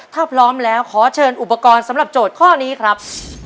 ถ้าพร้อมแล้วขอเชิญอุปกรณ์สำหรับโจทย์ข้อนี้ครับ